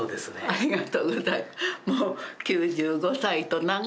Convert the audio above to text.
ありがとうございます。